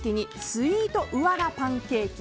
スイートウアラパンケーキ。